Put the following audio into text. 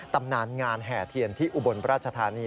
ตำนานงานแห่เทียนที่อุบลราชธานี